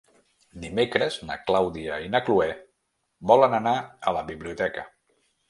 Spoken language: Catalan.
Dimecres na Clàudia i na Cloè volen anar a la biblioteca.